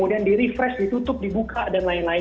jadi fresh ditutup dibuka dan lain lain